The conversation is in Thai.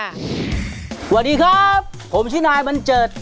สวัสดีครับผมชื่อนายบัญเจิด